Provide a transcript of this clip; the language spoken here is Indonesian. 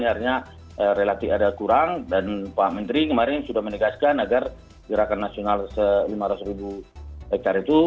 artinya relatif ada kurang dan pak menteri kemarin sudah menegaskan agar gerakan nasional lima ratus ribu hektare itu